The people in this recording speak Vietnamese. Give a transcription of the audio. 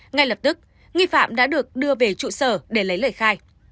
ngay lập tức nghi phạm đã được đưa về trụ sở để lấy lời khai